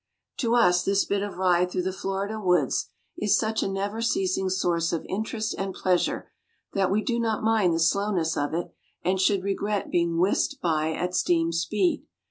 To us this bit of ride through the Florida woods is such a never ceasing source of interest and pleasure, that we do not mind the slowness of it, and should regret being whisked by at steam speed.